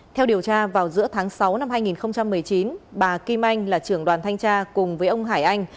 theo điều tra vào giữa tháng sáu năm hai nghìn một mươi chín bà kim anh là trưởng đoàn thanh tra cùng với ông hải anh